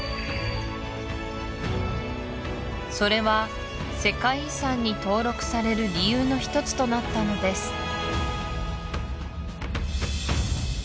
それは世界遺産に登録される理由の１つとなったのです